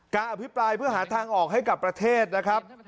อภิปรายเพื่อหาทางออกให้กับประเทศนะครับ